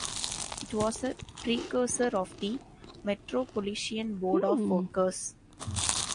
It was a precursor of the Metropolitan Board of Works.